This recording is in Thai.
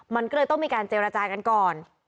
มันก็เลยต้องมีการเจรจากันก่อน